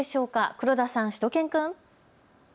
黒田さん、しゅと犬くん。